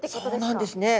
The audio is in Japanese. そうなんですね。